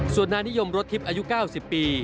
ส่วนนายนิยมรถทิพย์อายุ๙๐ปี